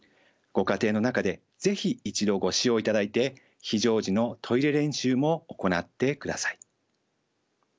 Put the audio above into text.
ご家庭の中で是非一度ご使用いただいて非常時のトイレ練習も行ってください。